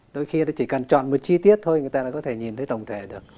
đôi khi chỉ cần chọn một chi tiết thôi người ta lại có thể nhìn thấy tổng thể được